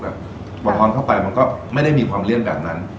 ร้อนเข้าไปมันก็ไม่ได้มีความเลี่ยนแบบนั้น